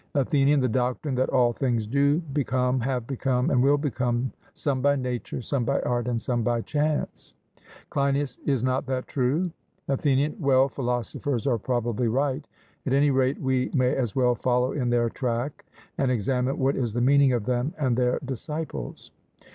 ATHENIAN: The doctrine that all things do become, have become, and will become, some by nature, some by art, and some by chance. CLEINIAS: Is not that true? ATHENIAN: Well, philosophers are probably right; at any rate we may as well follow in their track, and examine what is the meaning of them and their disciples.